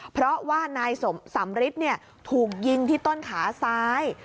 เพราะว่านายสำริทถูกยิงที่ต้นขาซ้าย